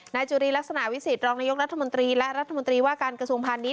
จุรีลักษณะวิสิตรองนายกรัฐมนตรีและรัฐมนตรีว่าการกระทรวงพาณิชย